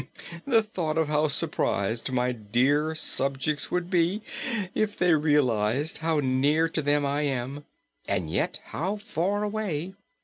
"The thought of how surprised my dear subjects would be if they realized how near to them I am, and yet how far away.